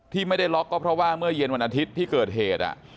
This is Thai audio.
ที่ไม่ได้ล็อกก็เพราะว่าเมื่อเย็นวันอาทิตย์ที่เกิดเหตุ